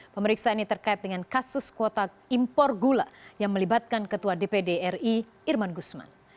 pemeriksaan ini terkait dengan kasus kuota impor gula yang melibatkan ketua dpd ri irman gusman